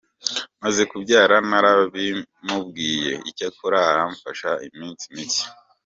Maze kubyara narabimubwiye icyakora aramfasha iminsi mike".